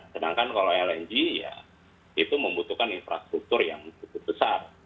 sedangkan kalau lng ya itu membutuhkan infrastruktur yang cukup besar